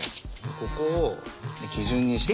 ここを基準にして。